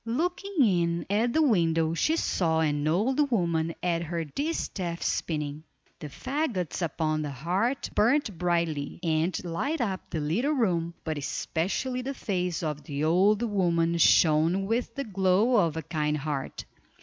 Looking in at the window she saw an old woman at her distaff spinning. The faggots upon the hearth burned brightly, and lighted up the little room, but especially the face of the old woman shone with the glow of a kind heart.